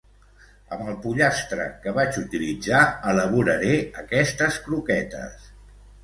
Amb el pollastre que vaig utilitzar elaboraré aquestes croquetes.